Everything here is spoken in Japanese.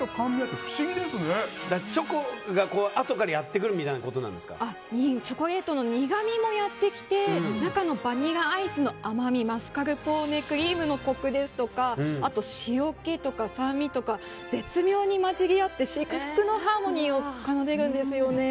チョコがあとからチョコレートの苦みもやってきて中のバニラアイスの甘みマスカルポーネクリームのコクですとか塩気とか酸味とか絶妙に混じり合って至福のハーモニーを奏でるんですよね。